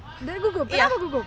udah gugup kenapa gugup